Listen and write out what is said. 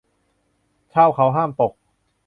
ชาวเขาห้ามตก